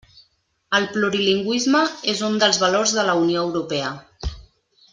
El plurilingüisme és un dels valors de la Unió Europea.